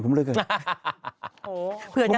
ผมเลยเลย